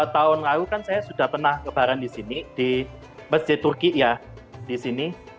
tahun lalu kan saya sudah pernah kebaran di sini di masjid turki ya di sini